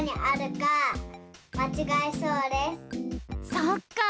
そっか。